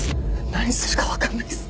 何するかわかんないです。